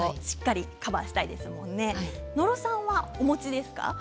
野呂さんはお持ちですか？